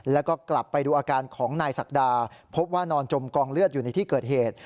แล้วก็กลับไปดูอาการของนายศักดาพบว่านอนจมกองเลือดอยู่ในที่เกิดเหตุ